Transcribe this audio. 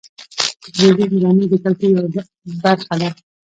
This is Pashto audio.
د تلویزیون ډرامې د کلتور یوه برخه ده.